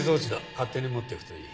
勝手に持っていくといい。